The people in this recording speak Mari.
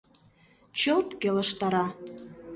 Чылт келыштара.